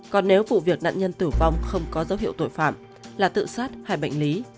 còn nếu vụ việc nạn nhân tử vong không có dấu hiệu tội phạm là tự sát hai bệnh lý